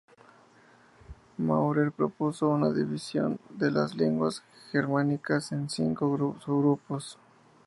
Maurer propuso una división de las lenguas germánicas en cinco subgrupos.